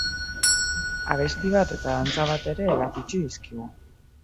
Abesti bat eta dantza bat ere erakutsi dizkigu.